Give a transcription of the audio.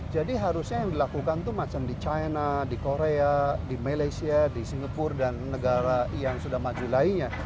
jadi harusnya yang dilakukan itu macam di china di korea di malaysia di singapura dan negara yang sudah maju lainnya